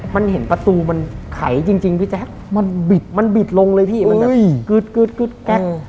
มันเห็นประตูมันไขจริงพี่แจ๊คมันบิดมันบิดลงเลยพี่มันแบบกึ๊ดแก๊ก